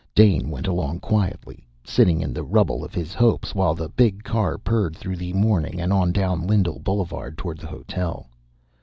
Dane went along quietly, sitting in the rubble of his hopes while the big car purred through the morning and on down Lindell Boulevard toward the hotel.